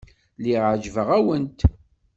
Lliɣ ɛejbeɣ-awent.